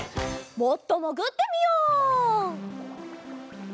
もっともぐってみよう！